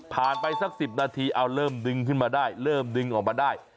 ไปสัก๑๐นาทีเอาเริ่มดึงขึ้นมาได้เริ่มดึงออกมาได้